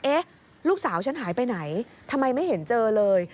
ลูกสาวฉันหายไปไหนทำไมไม่เห็นเจอเลย